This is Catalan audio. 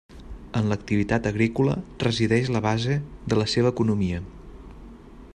En l'activitat agrícola resideix la base de la seva economia.